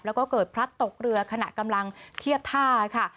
แล้วก็เกิดพลัดตกเรือขณะกำลังเทียบท่าค่ะ